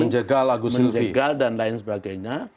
menjegal agus silvi dan lain sebagainya